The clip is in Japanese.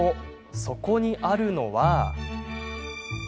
そこあるのは。